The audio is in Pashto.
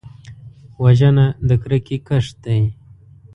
وژنه د کرکې کښت دی